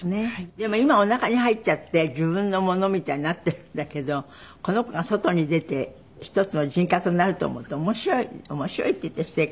でも今おなかに入っちゃって自分のものみたいになっているんだけどこの子が外に出て１つの人格になると思うと面白い面白いって言うと失礼か。